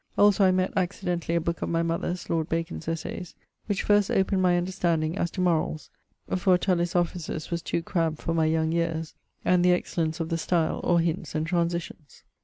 Also, I mett accidentally a booke of my mother's, Lord Bacon's Essaies, which first opened my understanding as to moralls (for Tullie's Offices was too crabbed for my young yeares) and the excellence of the style, or hints and transitions.